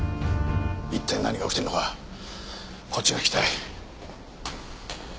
一体何が起きてるのかこっちが聞きたい。